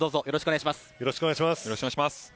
よろしくお願いします。